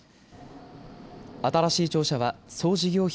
新しい庁舎は総事業費